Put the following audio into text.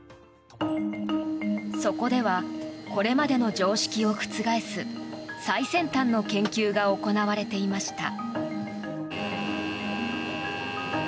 そこではこれまでの常識を覆す最先端の研究が行われていました。